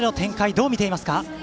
どう見ていますか？